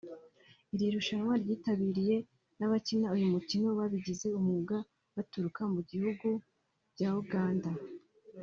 Iri rushanwa ryitabiriwe n’abakina uyu mukino babigize umwuga baturuka mu bihugu bya Uganda